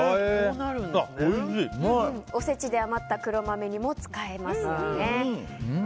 おせちで余った黒豆煮も使えますね。